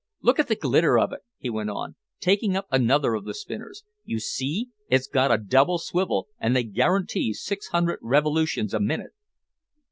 Look at the glitter of it," he went on, taking up another of the spinners. "You see, it's got a double swivel, and they guarantee six hundred revolutions a minute."